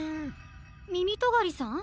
みみとがりさん？